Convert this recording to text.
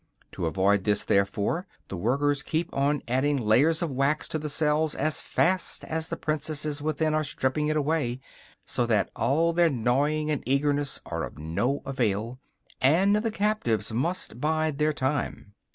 To avoid this, therefore, the workers keep on adding layers of wax to the cells as fast as the princesses within are stripping it away; so that all their gnawing and eagerness are of no avail, and the captives must bide their time.